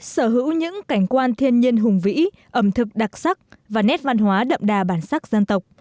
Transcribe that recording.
sở hữu những cảnh quan thiên nhiên hùng vĩ ẩm thực đặc sắc và nét văn hóa đậm đà bản sắc dân tộc